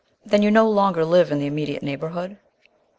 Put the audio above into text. "Then you no longer live in the immediate neighbourhood?"